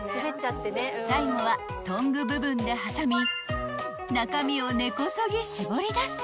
［最後はトング部分で挟み中身を根こそぎ絞り出す］